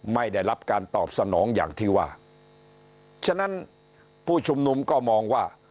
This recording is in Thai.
ไม่ได้รับการตอบสนองอย่างที่ว่าฉะนั้นผู้ชุมนุมก็มองว่า